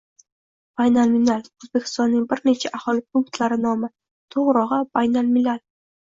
Baynalminal – O‘zbekistonning bir necha aholi punktlari nomi. To‘g‘rirog‘i- Baynalmilal.